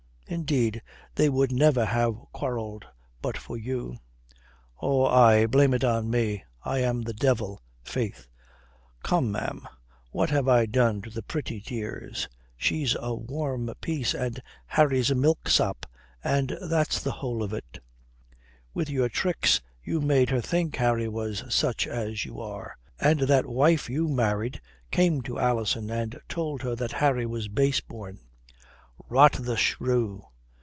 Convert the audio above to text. Indeed, they would never have quarrelled but for you." "Oh, aye, blame it on me. I am the devil, faith. Come, ma'am, what have I done to the pretty dears? She's a warm piece and Harry's a milksop, and that's the whole of it." "With your tricks you made her think Harry was such as you are. And that wife you married came to Alison and told her that Harry was base born." "Rot the shrew!